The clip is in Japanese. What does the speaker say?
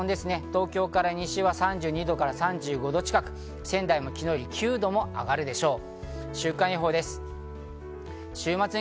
東京から西は３２度から３５度近く、仙台も昨日より９度も上がるでしょう。